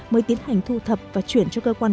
mới tiến hành thu thập và chuyển cho cơ quan